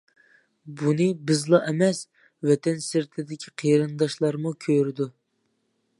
بۇنى بىزلا ئەمەس، ۋەتەن سىرتىدىكى قېرىنداشلارمۇ كۆرىدۇ.